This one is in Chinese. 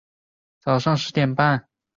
早上十点半开始